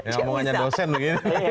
ya omongannya dosen begini